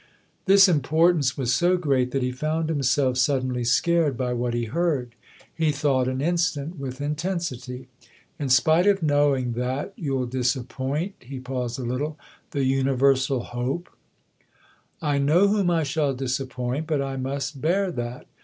This importance was so great that he found himself suddenly scared by what he heard. He thought an instant with intensity. " In spite of knowing that you'll disappoint " he paused a little " the universal hope ?"" I know whom I shall disappoint ; but I must bear that.